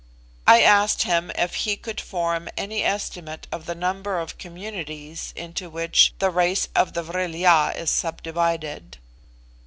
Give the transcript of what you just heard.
I asked him if he could form any estimate of the number of communities into which the race of the Vril ya is subdivided.